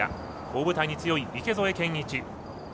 大舞台に強い池添謙一。